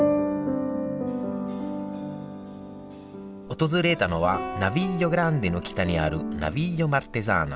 訪れたのはナヴィリオ・グランデの北にあるナヴィリオ・マルテザーナ。